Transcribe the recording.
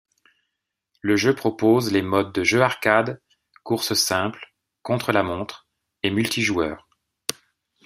Le jeu propose les modes de jeu Arcade, Course simple, Contre-la-montre et Multijoueur.